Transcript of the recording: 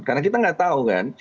karena kita tidak tahu kan